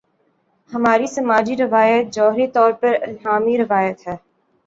ہماری سماجی روایت جوہری طور پر الہامی روایت ہے۔